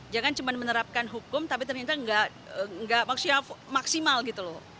jangan cuma menerapkan hukum tapi ternyata nggak maksimal gitu loh